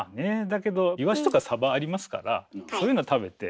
だけどイワシとかサバありますからそういうの食べて。